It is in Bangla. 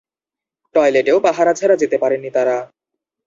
টয়লেটেও পাহারা ছাড়া যেতে পারেননি তাঁরা।